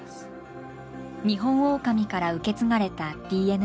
ニホンオオカミから受け継がれたＤＮＡ。